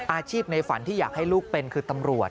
อาชีพในฝันที่อยากให้ลูกเป็นคือตำรวจ